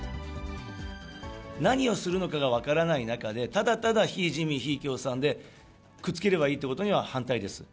何をするのかが分からない中で、ただただ非自民、非共産でくっつければいいということには反対です。